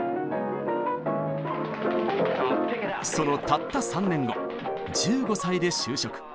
そのたった３年後１５歳で就職。